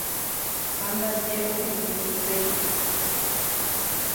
ha ndaje ohenói chupe imembymi.